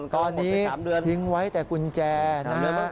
ตอนนี้ทิ้งไว้แต่กุญแจนะฮะ